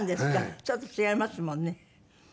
ちょっと違いますもんね。